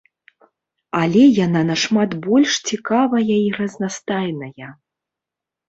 Але яна нашмат больш цікавая і разнастайная.